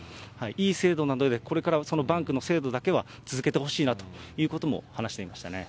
いい制度なので、これからこのバンクの制度だけは続けてほしいなということも話していましたね。